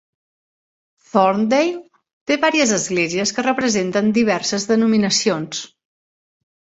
Thorndale té vàries esglésies que representen diverses denominacions.